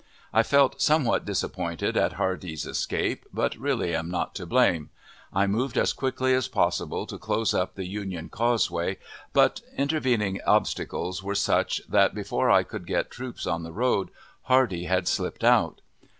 I felt somewhat disappointed at Hardee's escape, but really am not to blame. I moved as quickly as possible to close up the "Union Causeway," but intervening obstacles were such that, before I could get troops on the road, Hardee had slipped out.